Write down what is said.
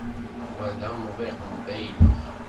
Wa d amḍiq n baylek.